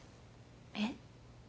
えっ？